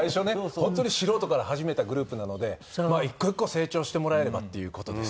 本当に素人から始めたグループなので１個１個成長してもらえればっていう事です。